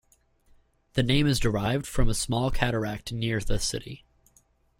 The name is derived from a small cataract near the city.